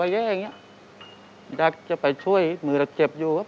อเรนนี่ต้องมีวัคซีนตัวหนึ่งเพื่อที่จะช่วยดูแลพวกม้ามและก็ระบบในร่างกาย